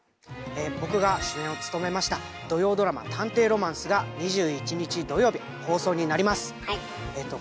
僕が主演を務めました土曜ドラマ「探偵ロマンス」が２１日土曜日放送になります。